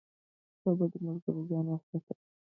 له بدو ملګرو ځان وساتئ.